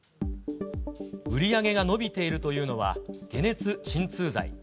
売り上げが伸びているというのは、解熱鎮痛剤。